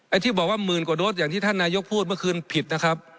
ที่บอกว่าหมื่นกว่าโดสอย่างที่ท่านนายกพูดเมื่อคืนผิดนะครับ